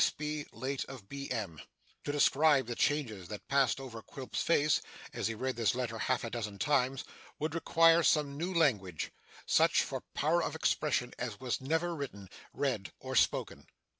S. B., late of B. M.' To describe the changes that passed over Quilp's face, as he read this letter half a dozen times, would require some new language: such, for power of expression, as was never written, read, or spoken.